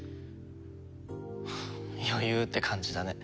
余裕って感じだね。